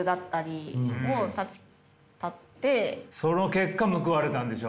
その結果報われたんでしょ？